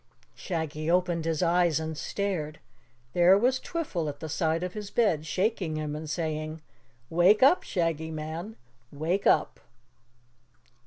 Shaggy opened his eyes and stared. There was Twiffle at the side of his bed, shaking him and saying: "Wake up, Shaggy Man, wake up!"